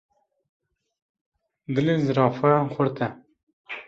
Dilê zirafayan xurt e.